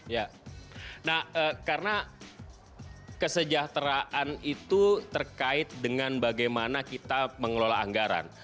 ya nah karena kesejahteraan itu terkait dengan bagaimana kita mengelola anggaran